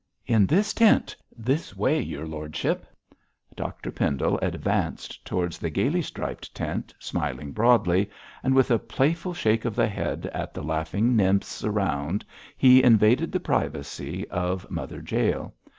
'In this tent! This way, your lordship!' Dr Pendle advanced towards the gaily striped tent, smiling broadly, and with a playful shake of the head at the laughing nymphs around, he invaded the privacy of Mother Jael.